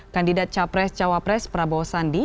kandidat capres cawapres prabowo sandi